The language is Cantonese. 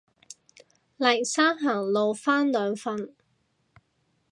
黎生行路返兩份